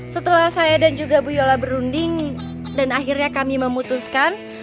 setelah saya dan juga bu yola berunding dan akhirnya kami memutuskan